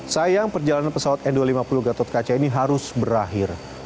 sayang perjalanan pesawat n dua ratus lima puluh gatot kaca ini harus berakhir